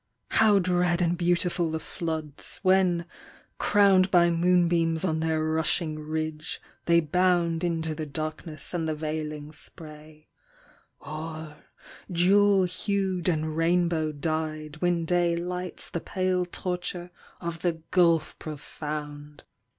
How dread and beautiful the floods, when, crowned By moonbeams on their rushing ridge, they bound Into the darkness and the veiling spray; Or, jewel hued and rainbow dyed, when day Lights the pale torture of the gulf profound!